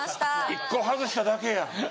１個外しただけやははは